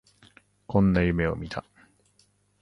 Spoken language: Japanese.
こんな夢を見た